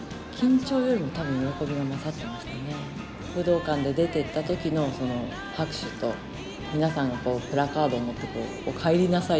武道館で出てった時のその拍手と皆さんがこうプラカードを持って「お帰りなさい！」